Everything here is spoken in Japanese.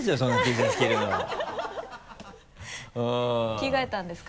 着替えたんですか？